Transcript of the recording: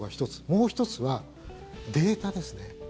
もう１つはデータですね。